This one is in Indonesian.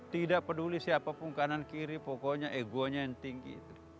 tidak peduli siapapun kanan kiri pokoknya egonya yang tinggi